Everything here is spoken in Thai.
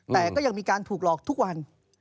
แต่ก็ยังมีการถูกหลอกทุกวัน